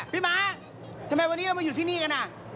ม้าทำไมวันนี้เรามาอยู่ที่นี่กันอ่ะ